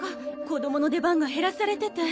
子どもの出番が減らされてて。